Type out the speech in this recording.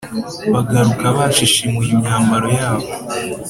bagaruka bashishimuye imyambaro yabo,